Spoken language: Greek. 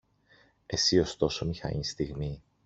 Εσύ ωστόσο μη χάνεις στιγμή.